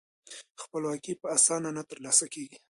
خپلواکي په اسانۍ نه ترلاسه کیږي.